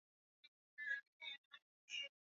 Kesho nitanunua chakula kingine nikupe ule chote.